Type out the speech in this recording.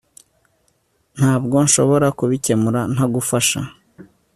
ntabwo nshobora kubikemura ntagufasha